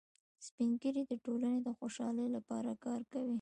سپین ږیری د ټولنې د خوشحالۍ لپاره کار کوي